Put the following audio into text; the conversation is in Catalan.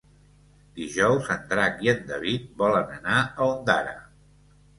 Dijous en Drac i en David volen anar a Ondara.